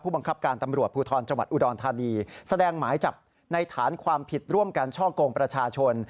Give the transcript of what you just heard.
บังคับการตำรวจภูทรจังหวัดอุดรธานีแสดงหมายจับในฐานความผิดร่วมกันช่อกงประชาชน